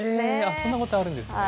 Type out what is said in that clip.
そんなことあるんですね。